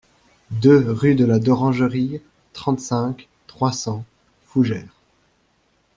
deux rue de la Dorangerie, trente-cinq, trois cents, Fougères